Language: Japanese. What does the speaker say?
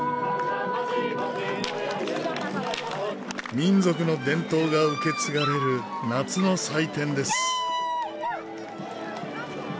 民族の伝統が受け継がれる夏の祭典です。